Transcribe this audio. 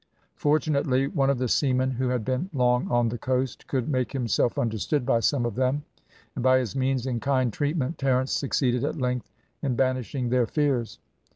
Fortunately one of the seamen, who had been long on the coast, could make himself understood by some of them; and, by his means and kind treatment, Terence succeeded at length in banishing their fears.